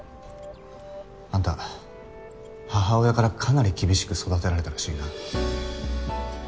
あんた母親からかなり厳しく育てられたらしいな。